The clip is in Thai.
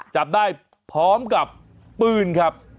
จับได้พร้อมกับปืนครับ